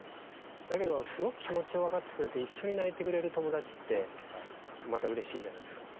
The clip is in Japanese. だけどすごく気持ちを分かってくれて一緒に泣いてくれる友達ってまたうれしいじゃないですか。